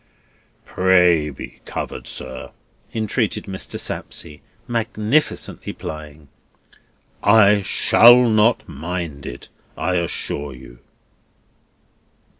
"Pray be covered, sir," entreated Mr. Sapsea; magnificently plying: "I shall not mind it, I assure you."